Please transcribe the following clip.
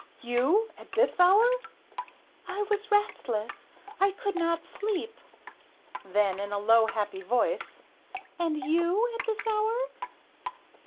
"You! At this hour?" "I was restless, I could not sleep." Then in a low, happy voice "And you! at this hour?"